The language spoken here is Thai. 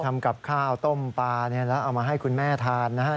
ทำกับข้าวต้มปลาเนี่ยแล้วเอามาให้คุณแม่ทานนะครับ